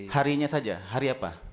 harinya saja hari apa